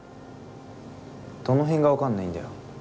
どの辺が分かんないんだよ。